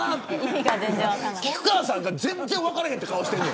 菊川さんが全然分からへんって顔してる。